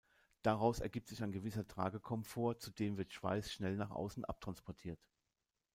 Daraus ergibt sich ein gewisser Tragekomfort, zudem wird Schweiß schnell nach außen abtransportiert.